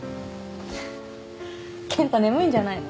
ケンタ眠いんじゃないの？